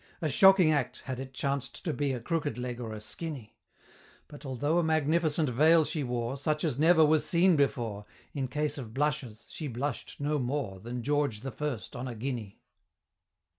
A shocking act had it chanced to be A crooked leg or a skinny: But although a magnificent veil she wore. Such as never was seen before, In case of blushes, she blush'd no more Than George the First on a guinea!